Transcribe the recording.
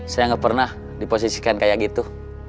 saya nggak pernah diposisikan kayak gitu